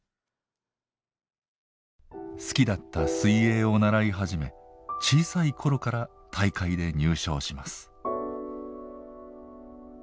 好きだった水泳を習い始め小さい頃から大会で入賞します。